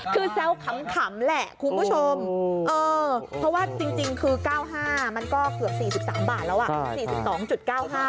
คือแซวขำแหละคุณผู้ชมเพราะว่าจริงคือ๙๕มันก็เกือบ๔๓บาทแล้วอ่ะ